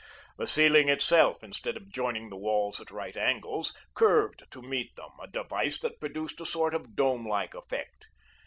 The ceiling itself, instead of joining the walls at right angles, curved to meet them, a device that produced a sort of dome like effect.